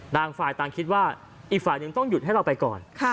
ต่างฝ่ายต่างคิดว่าอีกฝ่ายหนึ่งต้องหยุดให้เราไปก่อน